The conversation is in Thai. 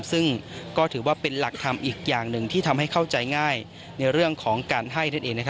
ซึ่งก็ถือว่าเป็นหลักธรรมอีกอย่างหนึ่งที่ทำให้เข้าใจง่ายในเรื่องของการให้นั่นเอง